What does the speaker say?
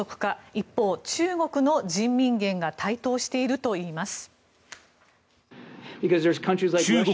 一方、中国の人民元が台頭しているといいます。